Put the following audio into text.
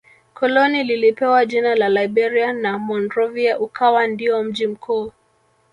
Koloni lilipewa jina la Liberia na Monrovia ukawa ndio mji mkuu